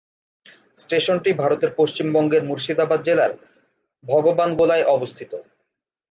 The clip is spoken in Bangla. স্টেশনটি ভারতের পশ্চিমবঙ্গের মুর্শিদাবাদ জেলার ভগবানগোলায় অবস্থিত।